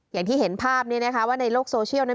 อย่างที่เห็นภาพนี้นะคะว่าในโลกโซเชียล